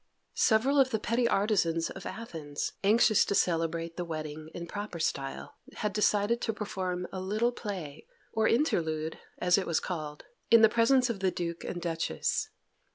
Several of the petty artisans of Athens, anxious to celebrate the wedding in proper style, had decided to perform a little play or "interlude," as it was called in the presence of the Duke and Duchess.